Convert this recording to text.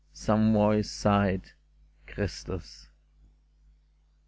Some voice sighed, " Christus